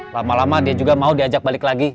lama lama dia juga mau diajak balik lagi